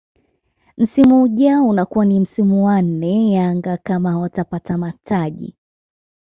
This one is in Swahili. Msimu ujao unakuwa ni msimu wa nne Yanga kama hawatapata mataji